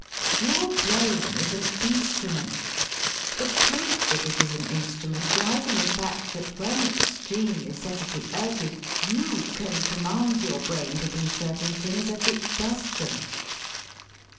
Your brain is an instrument. The proof that it is an instrument lies in the fact that, when extreme necessity urges, you can command your brain to do certain things, and it does them.